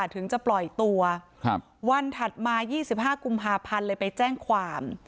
ถึงจะปล่อยตัววันถัดมา๒๕กุมภาพันธ์เลยไปแจ้งความ